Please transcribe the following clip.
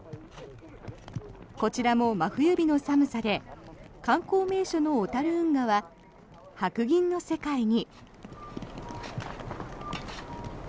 こちらも真冬日の寒さで観光名所の小樽運河は白銀の世界に。